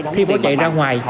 thi bố chạy ra ngoài